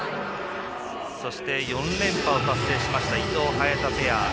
そして４連覇を達成しました伊藤、早田ペア。